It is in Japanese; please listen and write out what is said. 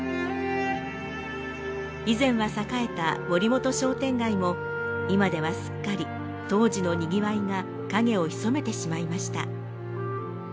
以前は栄えた森本商店街も今ではすっかり当時のにぎわいが影を潜めてしまいました。